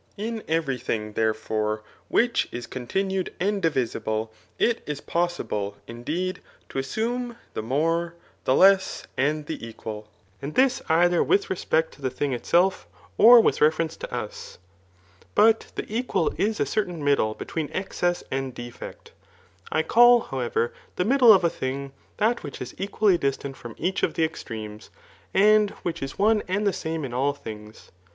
In every thing, therefore, which is continued and divisible, it is possible, indeed, to assume the more, the less, and the equal ; and this either widi respect to the thing itself, or with reference to us. But die equal is a certain middle between excess and defect. I call, however, the middle of a thing, that which is equally distant from each of the extremes, and which is one and the same in all things.